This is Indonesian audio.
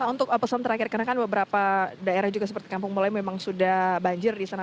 untuk pesan terakhir karena kan beberapa daerah juga seperti kampung mulai memang sudah banjir di sana